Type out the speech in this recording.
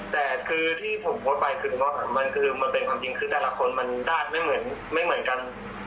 แต่คือที่ผมโพสต์ไปคือมันเป็นความจริงคือแต่ละคนมันด้านไม่เหมือนกัน